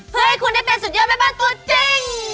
เพื่อให้คุณได้เป็นสุดยอดแม่บ้านตัวจริง